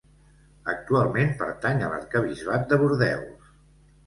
Actualment pertany a l'arquebisbat de Bordeus.